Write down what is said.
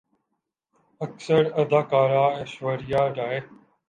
اکثر اداکارہ ایشوریا رائے